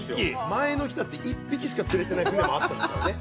前の日だって１匹しか釣れてない日もあったんですからね。